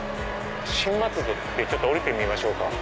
新松戸って降りてみましょうか。